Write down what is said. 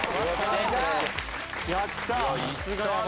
やったー！